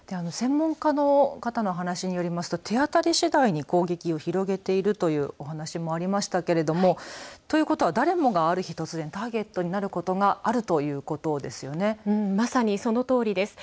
専門家の方の話によりますと手当たりしだいに攻撃を広げているというお話もありましたけれどもということは誰もがある日突然ターゲットになるということがあるということですよね。